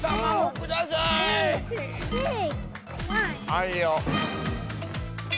はいよ。